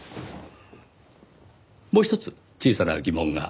もうひとつ小さな疑問が。